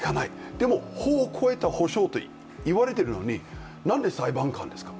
でも、法を超えた補償と言われているのになんで裁判官ですか。